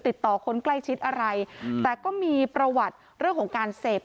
ติดต่อคนใกล้ชิดอะไรแต่ก็มีประวัติเรื่องของการเสพ